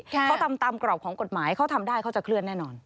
เขาทำตามกรอบของกฎหมายเขาทำได้เขาจะเคลื่อนแน่นอน